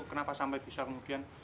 kenapa sampai bisa kemudian